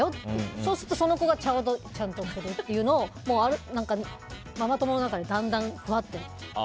そうするとその子がちゃんと来るっていうのをママ友の中でだんだん。